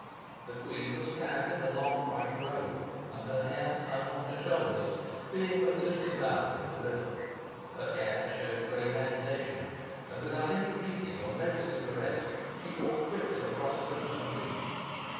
The queen was clad in a long white robe, and her hair hung on her shoulders, being but loosely bound with a ribbon. Her air showed great agitation, and without any greeting or notice of the rest she walked quickly across the room to me.